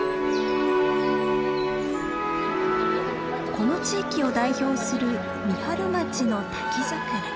この地域を代表する三春町の「滝桜」。